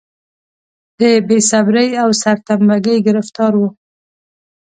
د بې صبرۍ او سرتمبه ګۍ ګرفتار و.